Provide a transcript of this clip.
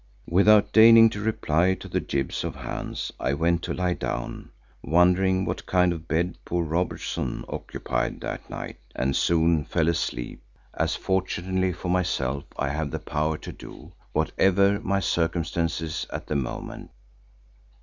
Without deigning to reply to the gibes of Hans I went to lie down, wondering what kind of a bed poor Robertson occupied that night, and soon fell asleep, as fortunately for myself I have the power to do, whatever my circumstances at the moment.